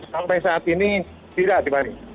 sampai saat ini tidak di bali